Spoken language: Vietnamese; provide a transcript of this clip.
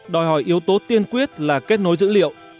đòi hỏi yếu tố tiên quyết là kết nối dữ liệu